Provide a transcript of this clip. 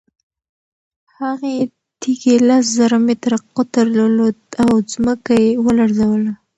هغې تیږې لس زره متره قطر درلود او ځمکه یې ولړزوله.